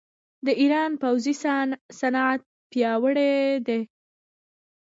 د ایران پوځي صنعت پیاوړی دی.